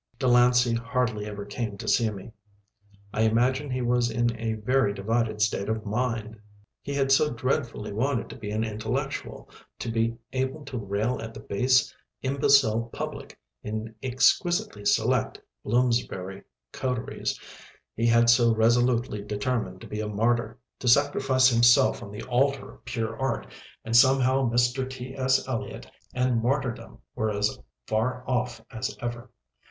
Delancey hardly ever came to see me. I imagine he was in a very divided state of mind! He had so dreadfully wanted to be an intellectual, to be able to rail at the base imbecile public in exquisitely select Bloomsbury coteries, he had so resolutely determined to be a martyr, to sacrifice himself on the altar of pure art, and somehow Mr. T.S. Eliot and martyrdom were as far off as ever.